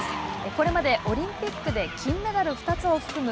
これまでオリンピックで金メダル２つを含む